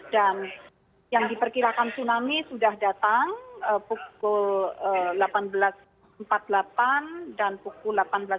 dan yang diperkirakan tsunami sudah datang pukul delapan belas empat puluh delapan dan pukul delapan belas lima puluh empat